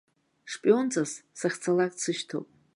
Шпионҵас, сахьцалак дсышьҭоуп!